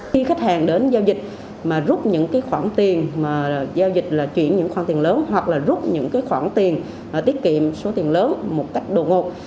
khi khách hàng đến giao dịch mà rút những khoản tiền mà giao dịch là chuyển những khoản tiền lớn hoặc là rút những khoản tiền tiết kiệm số tiền lớn một cách đột ngột